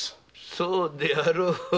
そうであろう。